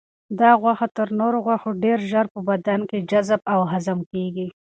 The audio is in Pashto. دا غوښه تر نورو غوښو ډېر ژر په بدن کې جذب او هضم کیږي.